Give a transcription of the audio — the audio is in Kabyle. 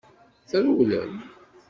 Trewlem.